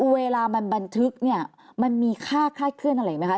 เวลามันบันทึกมันมีค่าเคลื่อนอะไรไหมคะ